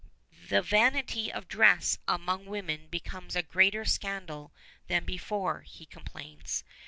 "The vanity of dress among women becomes a greater scandal than before," he complains.